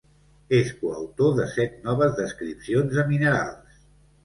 És coautor de set noves descripcions de minerals.